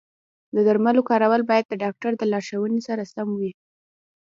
د درملو کارول باید د ډاکټر د لارښوونې سره سم وي.